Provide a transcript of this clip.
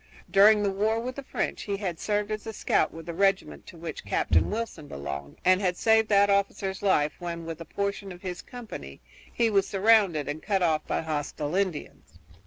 During the war with the French he had served as a scout with the regiment to which Captain Wilson belonged, and had saved that officer's life when with a portion of his company, he was surrounded and cut off by hostile Indians.